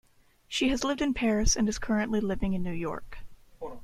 She has lived in Paris and is currently living in New York.